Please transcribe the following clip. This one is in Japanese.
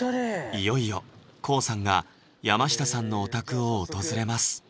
いよいよＫＯＯさんが山下さんのお宅を訪れます